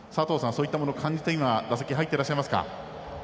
そういったものを感じて今、打席に入っていますか？